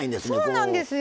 そうなんですよ。